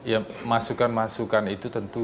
ya masukan masukan itu tentu